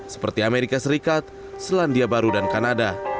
seperti amerika serikat selandia baru dan kanada